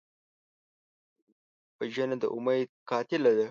وژنه د امید قاتله ده